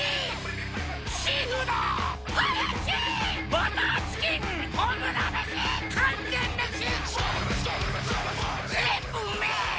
バターチキン炎メシ完全メシ